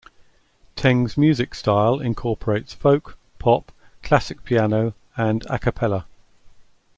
Teng's musical style incorporates folk, pop, classical piano, and "a cappella".